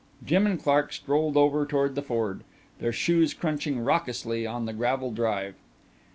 Jim and Clark strolled over toward the Ford, their shoes crunching raucously on the gravel drive.